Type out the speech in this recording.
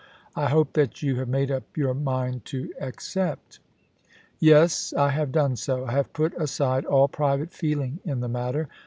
I hope that you have made up your mind to accept.' *Yes, I have done so. I have put aside all private feeling in the matter.